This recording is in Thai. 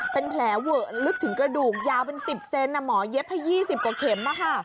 เป็นแผลเวอะลึกถึงกระดูกยาวเป็น๑๐เซนหมอเย็บให้๒๐กว่าเข็ม